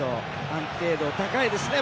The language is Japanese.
安定度が高いですね。